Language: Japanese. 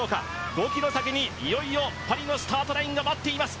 ５ｋｍ先に、いよいよパリのスタートラインが待っています。